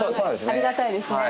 ありがたいですね。